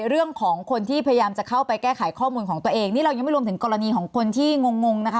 เรื่องของคนที่พยายามจะเข้าไปแก้ไขข้อมูลของตัวเองนี่เรายังไม่รวมถึงกรณีของคนที่งงงนะคะ